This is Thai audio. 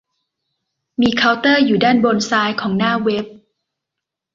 มีเคาน์เตอร์อยู่ด้านบนซ้ายของหน้าเว็บ